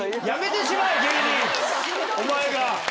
お前が！